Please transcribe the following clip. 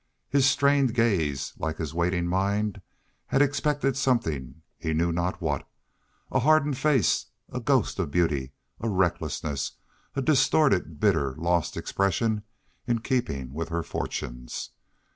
His strained gaze, like his waiting mind, had expected something, he knew not what a hardened face, a ghost of beauty, a recklessness, a distorted, bitter, lost expression in keeping with her fortunes.